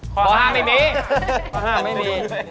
ข้อ๕ไม่มี